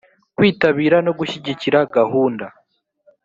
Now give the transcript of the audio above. kwitabira no gushyigikira gahunda